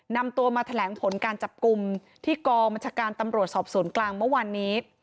นำตัวมาแถลงผลการจับกลุ่มที่กองบัญชาการตำรวจสอบสวนกลางเมื่อวานนี้